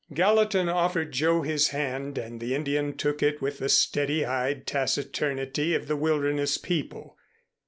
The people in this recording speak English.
Gallatin offered Joe his hand, and the Indian took it with the steady eyed taciturnity of the wilderness people.